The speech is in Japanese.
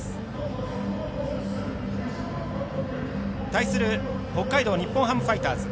対する北海道日本ハムファイターズ。